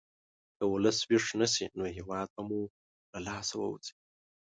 که ولس ویښ نه شي، نو هېواد به مو له لاسه ووځي.